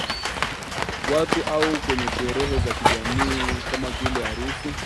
watu au kwenye sherehe za kijamii kama vile harusi